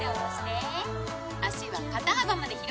「足は肩幅まで広げて」